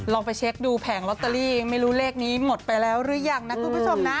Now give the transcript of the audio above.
ไปเช็คดูแผงลอตเตอรี่ไม่รู้เลขนี้หมดไปแล้วหรือยังนะคุณผู้ชมนะ